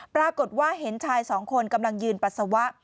ปรากฏว่าเห็นชายสองคนกำลังยืนปัสสาวะ